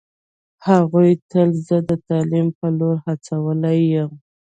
هغوی تل زه د تعلیم په لور هڅولی یم